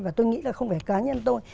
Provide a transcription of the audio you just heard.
và tôi nghĩ là không phải cá nhân tôi